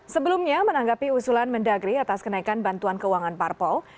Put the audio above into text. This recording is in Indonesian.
sebelumnya menanggapi usulan mendagri atas kenaikan bantuan keuangan parpol